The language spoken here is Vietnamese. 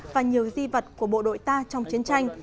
và nhiều di vật của bộ đội ta trong chiến tranh